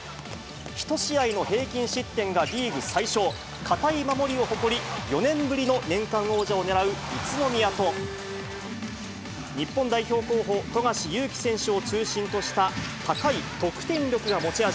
１試合の平均失点がリーグ最少、堅い守りを誇り、４年ぶりの年間王者を狙う宇都宮と、日本代表候補、富樫勇樹選手を中心とした高い得点力が持ち味。